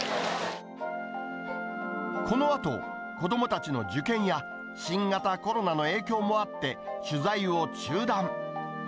このあと、子どもたちの受験や、新型コロナの影響もあって、取材を中断。